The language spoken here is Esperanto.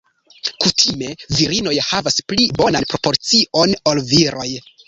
Kutime virinoj havas pli bonan proporcion ol viroj.